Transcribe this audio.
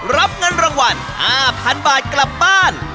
รับเงินรางวัล๕๐๐๐บาทกลับบ้าน